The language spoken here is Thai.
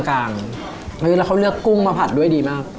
อีกหนึ่งแล้วเพราะว่าเขาเลือกกุ้งมาผัดด้วยดีมาก